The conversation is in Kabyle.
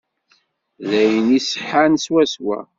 D ayen iṣeḥḥan swaswa.